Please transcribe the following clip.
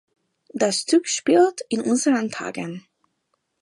Das Stück spielt „in unseren Tagen“.